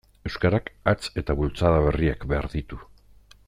Euskarak hats eta bultzada berriak behar ditu.